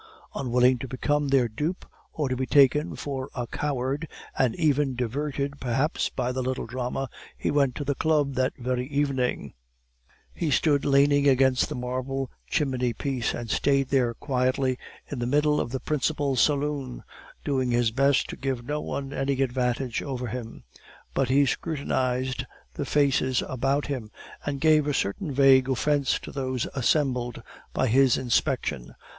Unwilling to become their dupe, or to be taken for a coward, and even diverted perhaps by the little drama, he went to the Club that very evening. He stood leaning against the marble chimney piece, and stayed there quietly in the middle of the principal saloon, doing his best to give no one any advantage over him; but he scrutinized the faces about him, and gave a certain vague offence to those assembled, by his inspection.